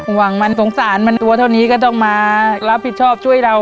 หวังมันสงสารมันตัวเท่านี้ก็ต้องมารับผิดชอบช่วยเรา